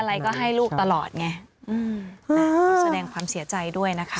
อะไรก็ให้ลูกตลอดไงอืมอ่าก็แสดงความเสียใจด้วยนะคะ